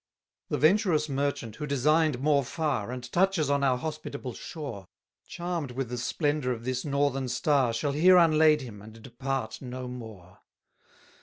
300 The venturous merchant who design'd more far, And touches on our hospitable shore, Charm'd with the splendour of this northern star, Shall here unlade him, and depart no more.